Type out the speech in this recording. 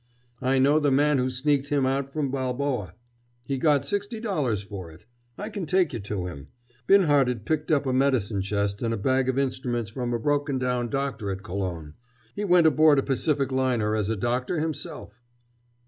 "I know the man who sneaked him out from Balboa. He got sixty dollars for it. I can take you to him. Binhart'd picked up a medicine chest and a bag of instruments from a broken down doctor at Colon. He went aboard a Pacific liner as a doctor himself."